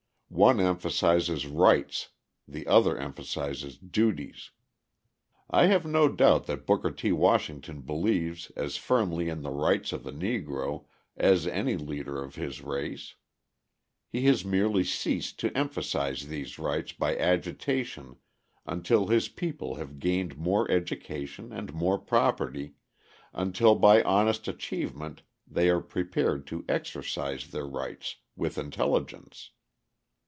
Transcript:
One emphasises rights; the other emphasises duties. I have no doubt that Booker T. Washington believes as firmly in the rights of the Negro as any leader of his race; he has merely ceased to emphasise these rights by agitation until his people have gained more education and more property, until by honest achievement they are prepared to exercise their rights with intelligence.